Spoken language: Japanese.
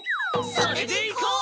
それでいこう！